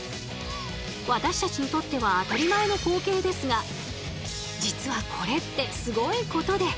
私たちにとっては当たり前の光景ですが実はこれってすごいことで。